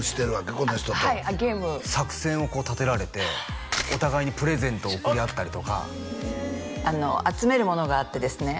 この人とはいゲーム作戦を立てられてお互いにプレゼントを贈りあったりとかあの集めるものがあってですね